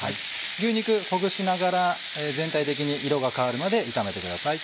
牛肉ほぐしながら全体的に色が変わるまで炒めてください。